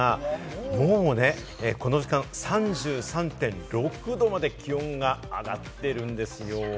もうね、この時間、３３．６度まで気温が上がってるんですよ。